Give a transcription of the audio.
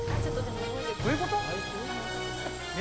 どういうこと？